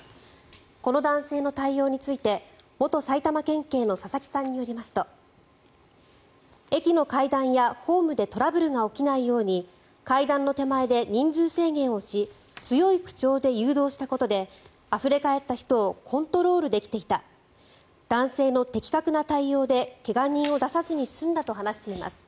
この男性の対応について元埼玉県警の佐々木さんによりますと駅の階段やホームでトラブルが起きないように階段の手前で人数制限をし強い口調で誘導したことであふれ返った人をコントロールできていた男性の的確な対応で怪我人を出さずに済んだと話しています。